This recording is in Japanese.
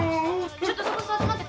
ちょっとそこ座って待ってて。